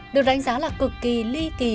được đánh giá là cực kỳ ly kỳ